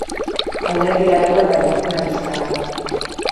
Alderdi laiko eta nazionalista da.